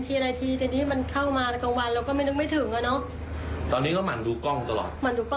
ตอนนี้ก็มาดูกล้องตลอดนะครับมาดูกล้องตลอด